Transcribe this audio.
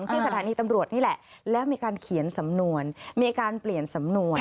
ที่สถานีตำรวจนี่แหละแล้วมีการเขียนสำนวนมีการเปลี่ยนสำนวน